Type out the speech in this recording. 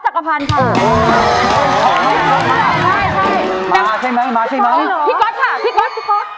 ใช่มอใช่มั้ยมอใช่มั้ยซีโก๊ซพี่ก๊อตพี่ก๊อตค่ะพี่ก๊อตพี่ก๊อต